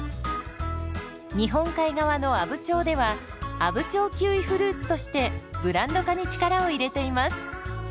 日本海側の阿武町では「阿武町キウイフルーツ」としてブランド化に力を入れています。